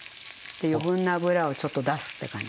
余分な脂をちょっと出すって感じ。